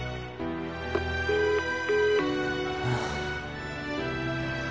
ああ。